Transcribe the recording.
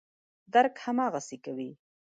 درک هماغسې کوي.